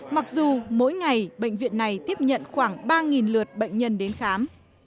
mặc dù mỗi ngày bệnh viện này tiếp nhận khoảng ba lượt bệnh nhân đến khám